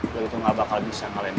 tentu gak bakal bisa ngalahin gue